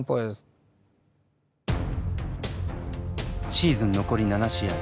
シーズン残り７試合。